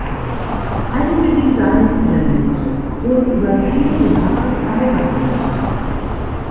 Einige Designelemente wurden über viele Jahre beibehalten.